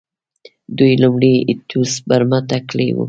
دوی لومړی اتیوس برمته کړی و